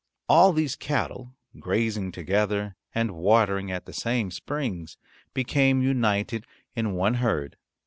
All these cattle grazing together and watering at the same springs became united in one herd.